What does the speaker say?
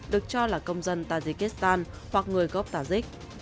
được cho là công dân tajikistan hoặc người gốc tajik